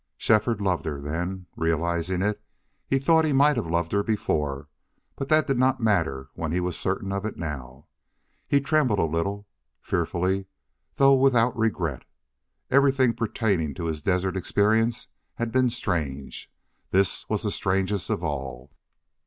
Shefford loved her then. Realizing it, he thought he might have loved her before, but that did not matter when he was certain of it now. He trembled a little, fearfully, though without regret. Everything pertaining to his desert experience had been strange this the strangest of all.